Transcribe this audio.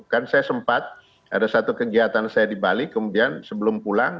kan saya sempat ada satu kegiatan saya di bali kemudian sebelum pulang